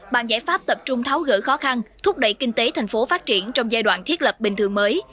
bàn giải pháp tập trung tháo gỡ khó khăn thúc đẩy kinh tế thành phố phát triển trong giai đoạn thiết lập bình thường mới